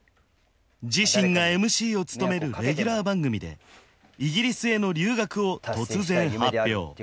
自身がＭＣを務めるレギュラー番組でイギリスへの留学を突然発表